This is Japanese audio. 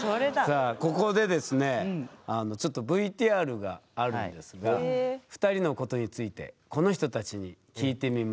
さあここでですねちょっとＶＴＲがあるんですが２人のことについてこの人たちに聞いてみました。